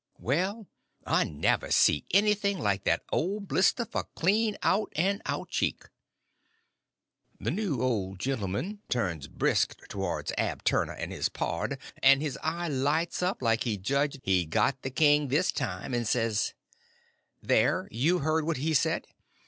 Well, I never see anything like that old blister for clean out and out cheek. The new old gentleman turns brisk towards Ab Turner and his pard, and his eye lights up like he judged he'd got the king this time, and says: "There—you've heard what he said!